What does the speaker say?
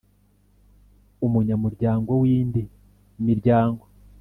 umunyamuryango w indi miryango